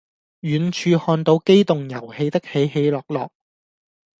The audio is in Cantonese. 遠處看到機動遊戲的起起落落